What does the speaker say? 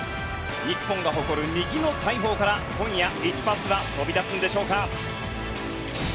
日本が誇る右の大砲から今夜一発が飛び出すんでしょうか。